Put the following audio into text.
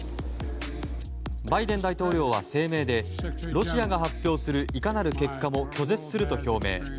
バイデン大統領は声明でロシアが発表するいかなる結果も拒絶すると表明。